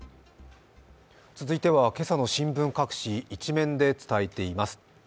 続いては、今朝の新聞各紙１面で伝えています。